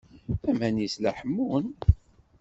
Aman-is la ḥemmun.